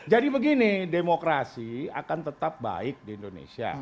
jadi begini demokrasi akan tetap baik di indonesia